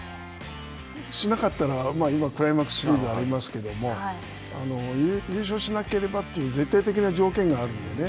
しなかったら、今、クライマックスシリーズがありますけども、優勝しなければという、絶対的な条件があるんでね。